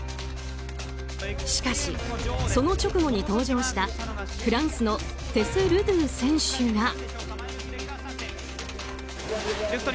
しかし、その直後に登場したフランスのテス・ルドゥー選手が。